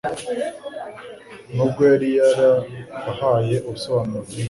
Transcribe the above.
nubwo yari yarabahaye ubusobanuro bwinshi.